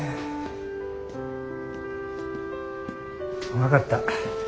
分かった。